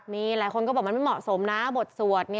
นี่หลายคนก็บอกมันไม่เหมาะสมนะบทสวด